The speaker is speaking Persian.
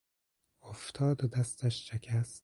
افتاد و دستش شکست.